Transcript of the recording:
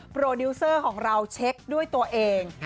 โปรดิวเซอร์ของเราเช็คด้วยตัวเอง